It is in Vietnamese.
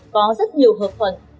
có rất nhiều hợp phẩm